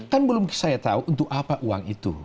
kan belum saya tahu untuk apa uang itu